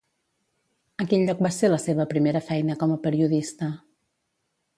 A quin lloc va ser la seva primera feina com a periodista?